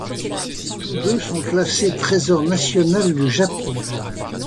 Tous deux sont classés trésor national du Japon.